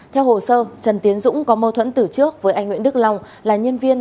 theo hồ sơ trần tiến dũng có mâu thuẫn tử trước với anh nguyễn đức long là nhân viên